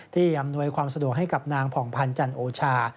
อำนวยความสะดวกให้กับนางผ่องพันธ์จันโอชา